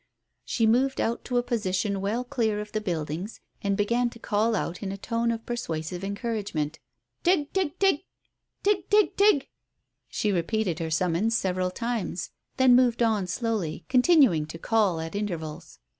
She moved out to a position well clear of the buildings and began to call out in a tone of persuasive encouragement "Tig tig tig! Tig tig tig!" She repeated her summons several times, then moved on slowly, continuing to call at intervals.